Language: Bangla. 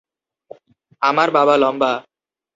আমার বাবা লম্বা।